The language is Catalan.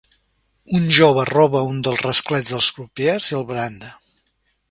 Un jove roba un dels rasclets dels crupiers i el branda.